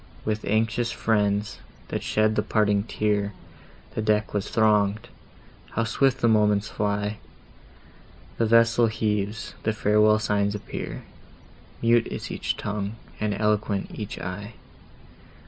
With anxious friends, that shed the parting tear, The deck was throng'd—how swift the moments fly! The vessel heaves, the farewell signs appear; Mute is each tongue, and eloquent each eye!